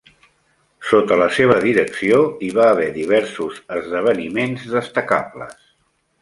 Sota la seva direcció hi va haver diversos esdeveniments destacables.